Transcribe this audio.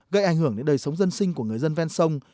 gây ảnh hưởng đến đời sống dân sinh của người dân ven sông